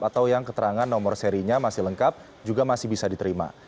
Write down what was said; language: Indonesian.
atau yang keterangan nomor serinya masih lengkap juga masih bisa diterima